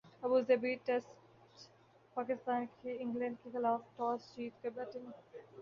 Abu Dhabi ٹیسٹپاکستان کی England کیخلاف toss جیت کر بیٹنگ